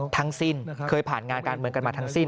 ทั้งสิ้นเคยผ่านงานการเมืองกันมาทั้งสิ้น